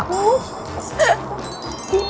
กลิ่น